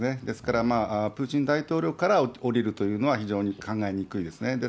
ですから、プーチン大統領からおりるというのは非常に考えにくいですね。